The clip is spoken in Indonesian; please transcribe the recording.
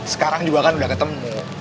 sekarang juga kan udah ketemu